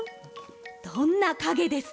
どんなかげですか？